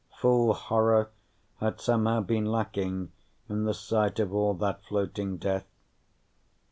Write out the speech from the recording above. Full horror had somehow been lacking in the sight of all that floating death.